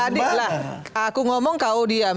adik lah aku ngomong kau diam